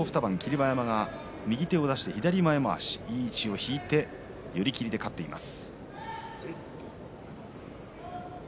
馬山が右手を出していい位置を引いて寄り切りで勝っています。